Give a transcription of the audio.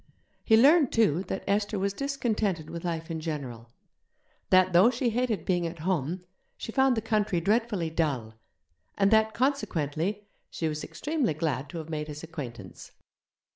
He learned, too, that Esther was discontented with life in general; that, though she hated being at home, she found the country dreadfully dull; and that, consequently, she was extremely glad to have made his acquaintance.